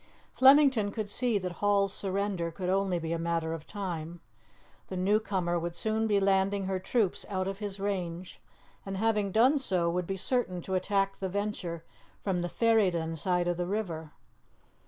Flemington could see that Hall's surrender could only be a matter of time; the new comer would soon be landing her troops out of his range, and, having done so, would be certain to attack the Venture from the Ferryden side of the river.